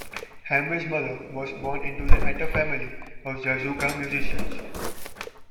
Hamri's mother was born into the Attar family of Zahjouka musicians.